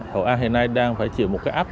hội an hiện nay đang phải chiến đấu với các dân tộc